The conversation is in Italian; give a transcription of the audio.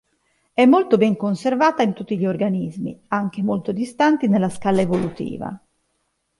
È molto ben conservata in tutti gli organismi, anche molto distanti nella scala evolutiva.